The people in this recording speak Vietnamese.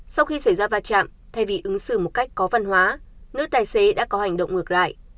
sau khi xảy ra va chạm thay vì ứng xử một cách có văn hóa nữ tài xế đã có hành động ngược lại